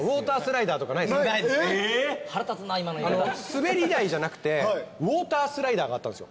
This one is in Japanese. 滑り台じゃなくてウオータースライダーがあったんですよ。